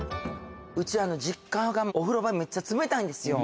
うち実家がお風呂場めっちゃ冷たいんですよ。